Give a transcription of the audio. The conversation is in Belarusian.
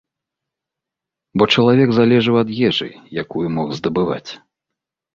Бо чалавек залежаў ад ежы, якую мог здабываць.